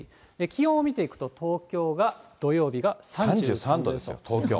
気温を見ていくと東京が土曜日が３３度予想。